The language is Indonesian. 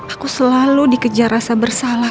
aku selalu dikejar rasa bersalah